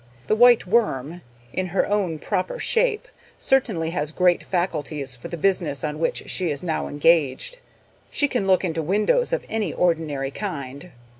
The White Worm, in her own proper shape, certainly has great facilities for the business on which she is now engaged. She can look into windows of any ordinary kind.